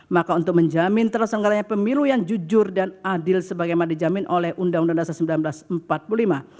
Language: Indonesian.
maka untuk menjamin terselenggaranya pemilu yang jujur dan adil sebagaimana dijamin oleh undang undang dasar seribu sembilan ratus empat puluh lima